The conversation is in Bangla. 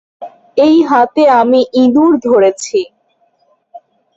এই হাতে আমি ইঁদুর ধরেছি।